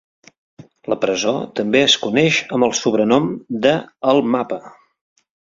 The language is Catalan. La presó també es coneix amb el sobrenom de "El mapa".